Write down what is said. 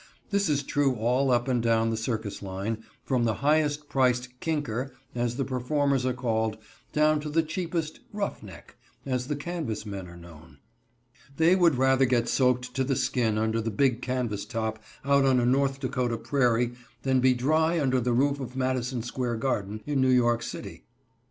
This is true all up and down the circus line, from the highest priced "kinker," as the performers are called, down to the cheapest "rough neck," as the canvas men are known. They would rather get soaked to the skin under the "big canvas top" out on a North Dakota prairie than be dry under the roof of Madison Square Garden in New York City.